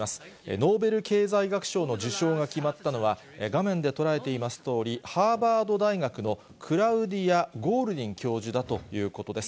ノーベル経済学賞の受賞が決まったのは、画面で捉えていますとおり、ハーバード大学のクラウディア・ゴールディン教授だということです。